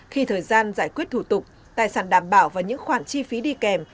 khi thời gian giải quyết thủ tục tài sản đảm bảo và những khoản chi phí đi kèm